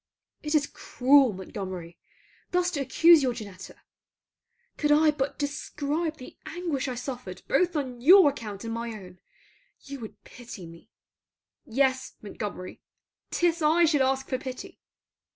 It is cruel, Montgomery, thus to accuse your Janetta. Could I but describe the anguish I suffered both on your account and my own, you would pity me. Yes, Montgomery; 'tis I should ask for pity.